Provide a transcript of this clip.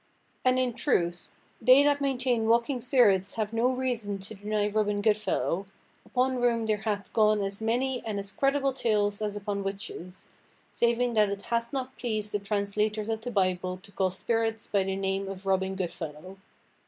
And in truth, they that mainteine walking spirits have no reason to denie Robin Goodfellow, upon whom there hath gone as manie and as credible tales as upon witches, saving that it hath not pleased the translators of the Bible to call spirits by the name of Robin Goodfellow."